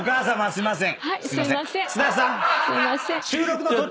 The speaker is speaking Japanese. すいません。